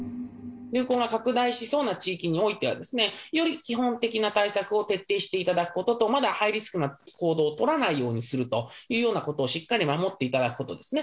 流行が拡大しそうな地域においては、より基本的な対策を徹底していただくことと、まだハイリスクな行動を取らないようにするというようなことをしっかり守っていただくことですね。